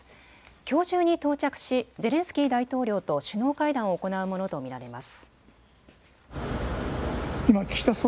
きょう中に到着しゼレンスキー大統領と首脳会談を行うものと見られます。